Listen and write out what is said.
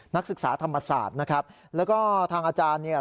นักศึกษาธรรมศาสตร์นะครับแล้วก็ทางอาจารย์เนี่ย